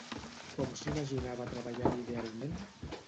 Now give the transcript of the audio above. Com s'imaginava treballant idealment?